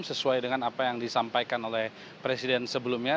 sesuai dengan apa yang disampaikan oleh presiden sebelumnya